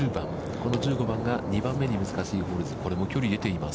この１５番が２番目に難しいホールです。